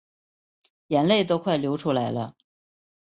眼泪都快流出来了